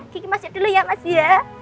kiki masuk dulu ya mas ya